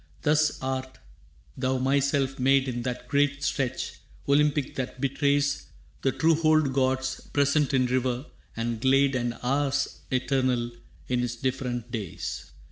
Thus art thou myself made In that great stretch Olympic that betrays The true wholed gods present in river and glade And hours eternal in its different days.